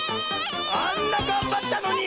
あんながんばったのに！